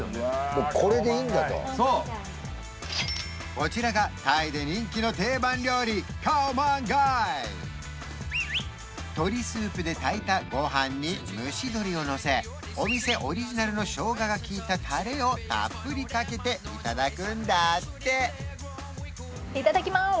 もうこれでいいんだとそうこちらがタイで人気の定番料理カオマンガイ鶏スープで炊いたご飯に蒸し鶏をのせお店オリジナルの生姜がきいたタレをたっぷりかけていただくんだっていただきます！